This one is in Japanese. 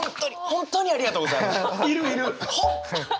本当にありがとうございますみたいな。